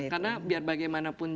karena biar bagaimanapun